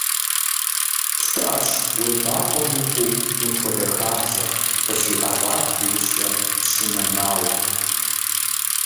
– ЩыӀэщ уебакъуэ мыхъуу мыпхуэдэ хабзэ, – къызжиӀэгъащ иужькӀэ Пщы Нэнау.